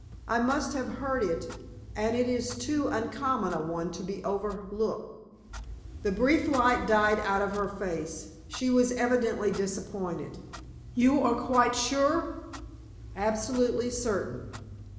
I must have heard it, and it is too uncommon a one to be overlooked." The brief light died out of her face. She was evidently disappointed. "You are quite sure?" "Absolutely certain."